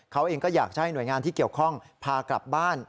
เขาเองก็อยากจะให้หน่วยงานที่เกี่ยวข้องพากลับบ้าน